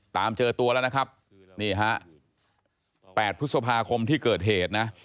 ตามเจอตัวแล้วนะครับนี่ฮะ๘พฤษภาคมที่เกิดเหตุนะ